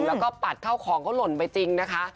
แล้วก็ปัดเข้าของเขาหล่นไปจริงนะคะ